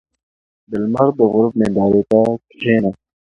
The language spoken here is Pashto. • د لمر د غروب نندارې ته کښېنه.